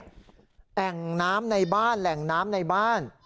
แหล่งน้ำในบ้านแหล่งน้ำในบ้าน